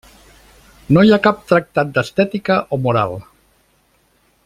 No hi ha cap tractat d'estètica o moral.